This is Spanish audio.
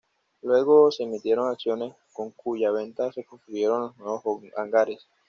Luego se emitieron acciones, con cuya venta se construyeron los nuevos hangares.